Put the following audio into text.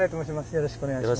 よろしくお願いします。